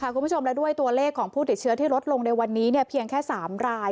คุณผู้ชมและด้วยตัวเลขของผู้ติดเชื้อที่ลดลงในวันนี้เพียงแค่๓ราย